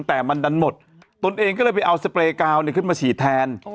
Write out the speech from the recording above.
แต่มันดันหมดตนเองก็เลยไปเอาสเปรย์กาวขึ้นมาฉีดแทน